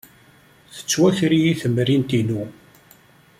Tettwaker-iyi temrint-inu.